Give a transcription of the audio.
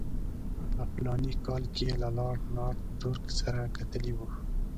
په فلاني کال کې یې له لارډ نارت بروک سره کتلي وو.